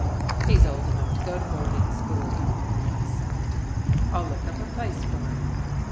"He's old enough to go to boarding school," I said. "I'll look up a place for him."